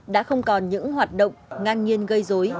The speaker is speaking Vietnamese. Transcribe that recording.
đã không còn những hoạt động ngang nhiên gây dối